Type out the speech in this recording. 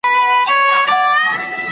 انارګل رمه له خطرونو څخه وژغورله.